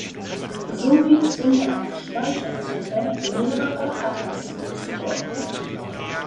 Somit sind einer Speicherzelle mehrere Adressen zugeordnet.